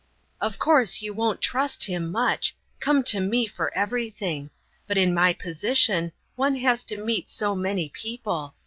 "Of course you won't trust him much; come to me for everything. But in my position one has to meet so many people.